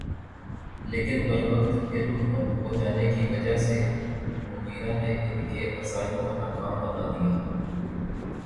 لیکن بروقت علم ہو جانے کی وجہ سے مغیرہ نے ان کے عزائم کو ناکام بنا دیا۔